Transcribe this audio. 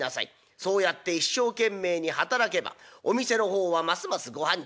そうやって一生懸命に働けばお店の方はますますご繁盛。